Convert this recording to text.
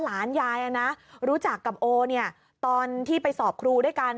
หลานยายรู้จักกับโอตอนที่ไปสอบครูด้วยกัน